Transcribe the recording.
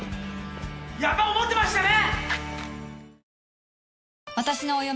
やっぱ思ってましたね！